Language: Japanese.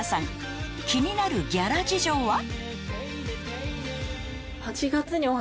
［気になるギャラ事情は？］